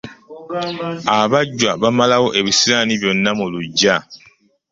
Abajjwa bamalawo ebisiraani byonna mu luggya.